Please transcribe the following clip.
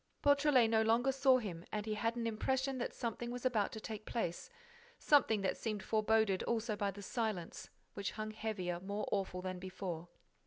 Beautrelet no longer saw him and he had an impression that something was about to take place, something that seemed foreboded also by the silence, which hung heavier, more awful than before.